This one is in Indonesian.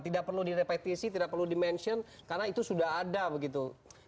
tidak perlu direpetisi tidak perlu di mention karena itu sudah ada begitu